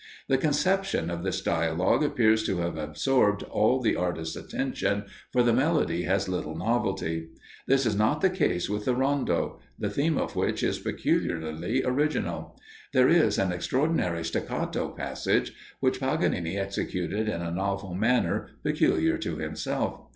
The conception of this dialogue appears to have absorbed all the artist's attention, for the melody has little novelty. This is not the case with the rondo the theme of which is peculiarly original. There is an extraordinary staccato passage, which Paganini executed in a novel manner, peculiar to himself.